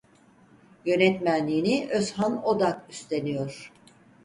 Yönetmenliğini Özhan Odak üstleniyor.